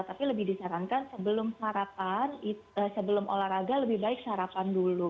tapi lebih disarankan sebelum olahraga lebih baik sarapan dulu